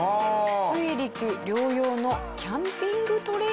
水陸両用のキャンピングトレーラーでした。